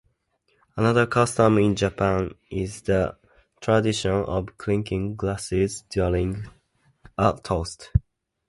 Another custom in Japan is the tradition of "clinking glasses" during a toast.